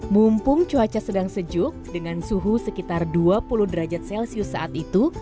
mumpung cuaca sedang sejuk dengan suhu sekitar dua puluh derajat celcius saat itu